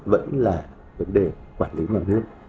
vẫn là vấn đề quản lý nhà nước